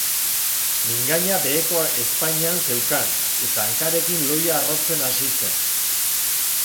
Mingaina beheko ezpainean zeukan, eta hankarekin lohia harrotzen hasi zen.